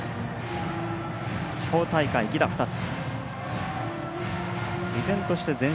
地方大会、犠打２つ。